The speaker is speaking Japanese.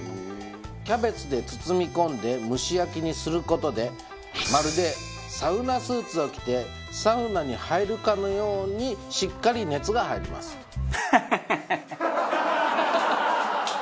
キャベツで包み込んで蒸し焼きにする事でまるでサウナスーツを着てサウナに入るかのようにしっかり熱が入りますと。